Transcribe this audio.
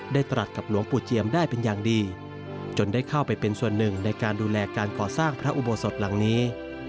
ตรัสกับหลวงปู่เจียมได้เป็นอย่างดีจนได้เข้าไปเป็นส่วนหนึ่งในการดูแลการก่อสร้างพระอุโบสถหลังนี้